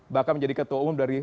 bahkan menjadi ketua umum dari